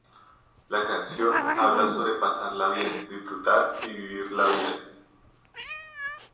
La canción habla sobre pasarla bien, disfrutar y vivir la vida.